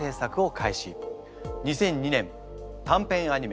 ２００２年短編アニメ